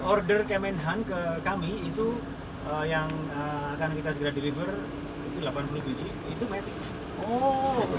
order kemenhan ke kami itu yang akan kita segera deliver itu delapan puluh biji itu matic